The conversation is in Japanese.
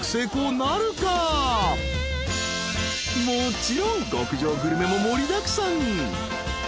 ［もちろん極上グルメも盛りだくさん］